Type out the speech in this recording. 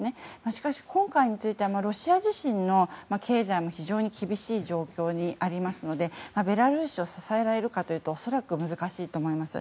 しかし今回についてはロシア自身の経済も非常に厳しい状況にありますのでベラルーシを支えられるかというと恐らく難しいと思います。